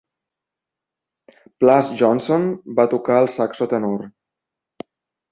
Plas Johnson va tocar el saxo tenor.